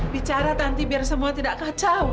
bicara nanti biar semua tidak kacau